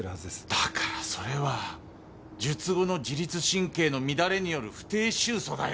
だからそれは術後の自律神経の乱れによる不定愁訴だよ。